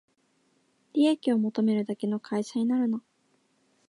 利益を求めるだけの会社になるな